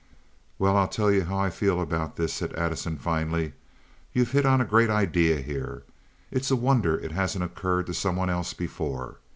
"Well, I'll tell you how I feel about this," said Addison, finally. "You've hit on a great idea here. It's a wonder it hasn't occurred to some one else before.